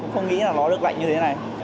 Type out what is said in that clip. không nghĩ là nó được lạnh như thế này